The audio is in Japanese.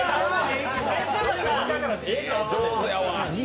上手やわ！